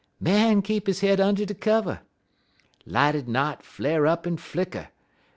_ Man keep his head und' de kivver. Light'd knot flar' up en flicker.